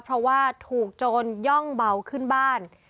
เพราะว่าถูกโจรย่องเบาขึ้นบ้าน